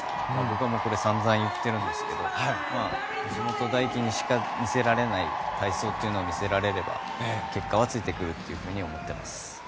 僕は散々言っているんですけど橋本大輝にしか見せられない体操というのを見せられれば結果はついてくると思っています。